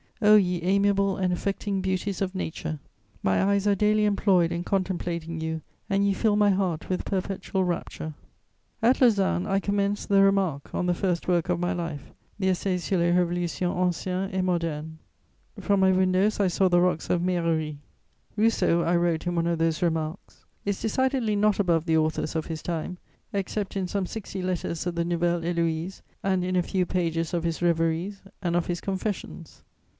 O ye amiable and affecting beauties of nature! My eyes are daily employed in contemplating you, and ye fill my heart with perpetual rapture." At Lausanne I commenced the Remarques on the first work of my life, the Essai sur les révolutions anciennes et modernes. From my windows I saw the rocks of Meillerie: "Rousseau," I wrote in one of those Remarques, "is decidedly not above the authors of his time, except in some sixty letters of the Nouvelle Héloïse and in a few pages of his Rêveries and of his _Confessions.